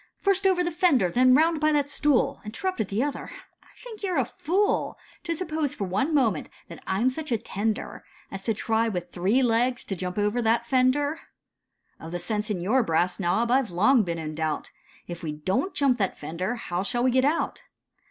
" First over the fender, and round by that stool —" Interrupted the other ; "I think you 're a fool 240 How the Andirons Took a Walk. To suppose for one moment that I m such a tender, As to try with three legs to jump over that fen der." "Of the sense in your brass knob I 've long been in doubt, If we don't jump that fender, how shall we get out?"